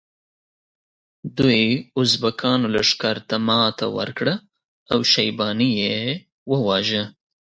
دوی ازبکانو لښکر ته ماته ورکړه او شیباني یې وواژه.